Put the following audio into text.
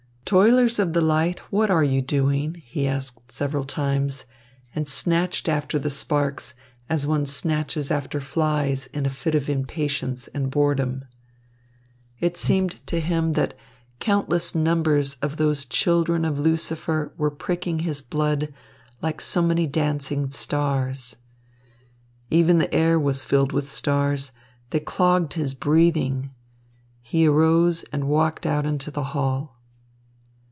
"Toilers of the Light, what are you doing?" he asked several times, and snatched after the sparks, as one snatches after flies in a fit of impatience and boredom. It seemed to him that countless numbers of those little children of Lucifer were pricking his blood like so many dancing stars. Even the air was filled with stars. They clogged his breathing. He arose and walked out into the hall.